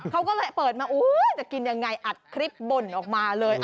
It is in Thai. เขาก็เลยเปิดมาจะกินยังไงอัดคลิปบ่นออกมาเลย